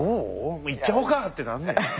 もう行っちゃおうかってなんない？